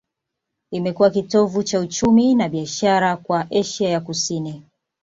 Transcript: Imekuwa kitovu cha uchumi na biashara kwa Asia ya Kusini.